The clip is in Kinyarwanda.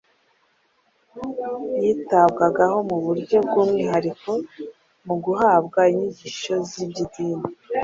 Yitabwagaho mu buryo bw'umwihariko mu guhabwa inyigisho z'iby'idini